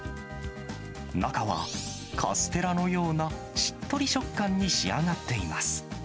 中は、カステラのようなしっとり食感に仕上がっています。